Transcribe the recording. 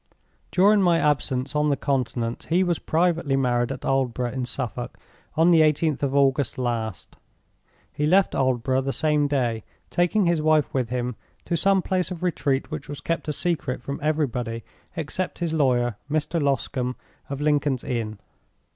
During my absence on the Continent he was privately married at Aldborough, in Suffolk, on the eighteenth of August last. He left Aldborough the same day, taking his wife with him to some place of retreat which was kept a secret from everybody except his lawyer, Mr. Loscombe, of Lincoln's Inn.